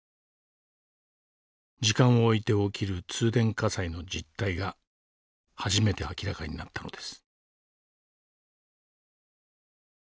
時間をおいて起きる通電火災の実態が初めて明らかになったのです。